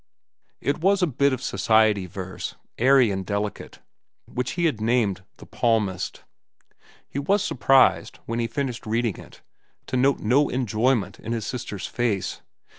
It was a bit of society verse, airy and delicate, which he had named "The Palmist." He was surprised, when he finished reading it, to note no enjoyment in his sister's face.